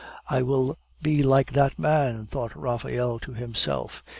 "I will be like that man," thought Raphael to himself.